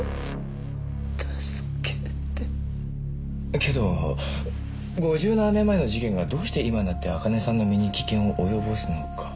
けど５７年前の事件がどうして今になって茜さんの身に危険を及ぼすのか。